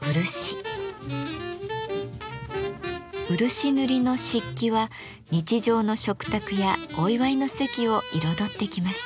漆塗りの漆器は日常の食卓やお祝いの席を彩ってきました。